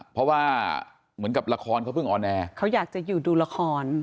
เพราะว่าเหมือนกับละครเขาเพิ่งออนแอร์เขาอยากจะอยู่ดูละคร